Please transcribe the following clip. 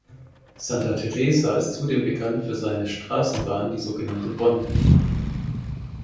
Santa Teresa ist zudem bekannt für seine Straßenbahn, die sogenannte „Bonde“.